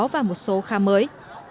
và một số khám mới